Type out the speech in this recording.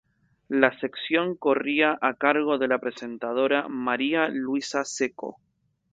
La sección corría a cargo de la presentadora María Luisa Seco.